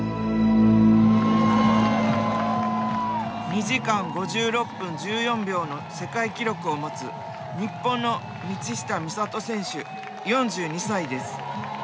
２時間５６分１４秒の世界記録を持つ日本の道下美里選手４２歳です。